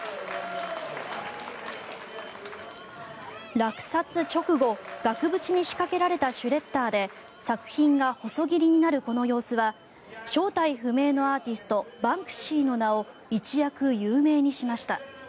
落札直後額縁に仕掛けられたシュレッダーで作品が細切りになるこの様子は正体不明のアーティストバンクシーの名前を一躍有名にしました。